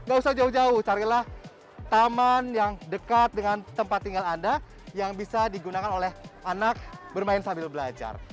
gak usah jauh jauh carilah taman yang dekat dengan tempat tinggal anda yang bisa digunakan oleh anak bermain sambil belajar